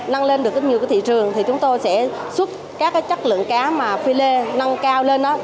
năng lên được rất nhiều cái thị trường thì chúng tôi sẽ xuất các cái chất lượng cá mà philet năng cao lên đó